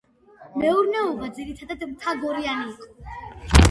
მეურნეობა ძირითადად მთაგორიანი იყო.